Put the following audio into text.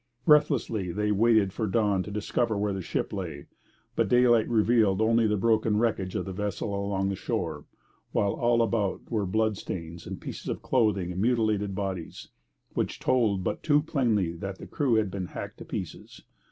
Breathlessly they waited for the dawn to discover where their ship lay; but daylight revealed only the broken wreckage of the vessel along the shore, while all about were blood stains and pieces of clothing and mutilated bodies, which told but too plainly that the crew had been hacked to pieces.